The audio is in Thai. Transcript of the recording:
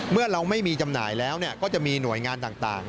เมื่อเราไม่มีจำหน่ายแล้วก็จะมีหน่วยงานต่าง